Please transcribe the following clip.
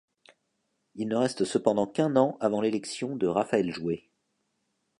Il ne reste cependant qu'un an avant l'élection de Raphaël Joué.